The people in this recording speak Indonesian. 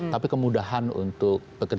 tapi kemudian bekerja selama satu tahun itu dipermudah